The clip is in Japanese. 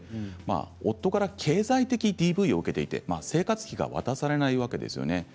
夫から経済的ＤＶを受けていて生活費を渡されていないわけですね